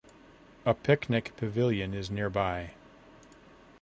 A picnic pavilion is nearby.